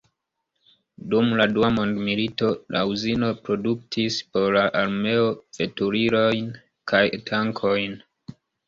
Dum la Dua mondmilito la uzino produktis por la armeo veturilojn kaj tankojn.